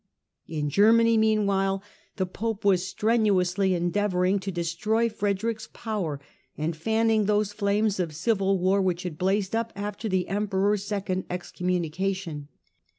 In Germany, meanwhile, the Pope was strenuously endeavouring to destroy Frederick's power and fanning those flames of civil war which had blazed up after the Emperor's second excommunication.